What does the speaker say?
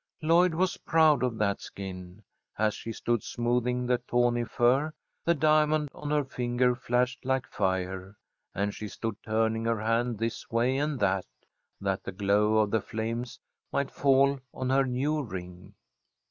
Lloyd was proud of that skin. As she stood smoothing the tawny fur, the diamond on her finger flashed like fire, and she stood turning her hand this way and that, that the glow of the flames might fall on her new ring.